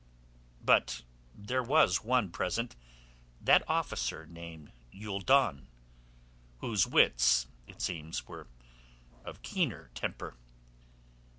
But there was one present—that officer named Youldon—whose wits, it seems, were of keener temper.